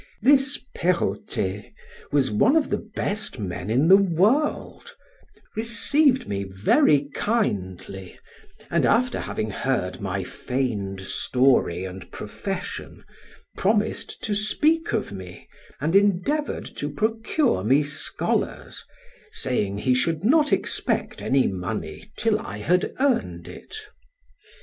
This Perrotet, who was one of the best men in the world, received me very kindly, and after having heard my feigned story and profession, promised to speak of me, and endeavored to procure me scholars, saying he should not expect any money till I had earned it.